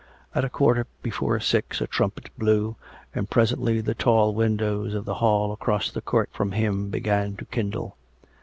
... At a quarter before six a trumpet blew, and presently the tall windows of the hall across the court from him began to kindle.